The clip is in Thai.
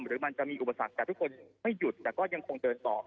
หรือมันจะมีอุปสรรคแต่ทุกคนไม่หยุดแต่ก็ยังคงเดินต่อ